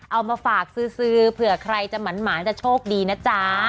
เอามาฝากซื้อเผื่อใครจะหมานจะโชคดีนะจ๊ะ